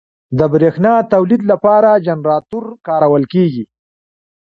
د برېښنا تولید لپاره جنراتور کارول کېږي.